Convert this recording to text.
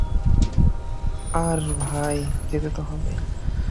আর ভাই, যেতে তো হবেই।